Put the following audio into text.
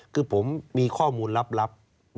คือผมมีข้อมูลลับนะครับ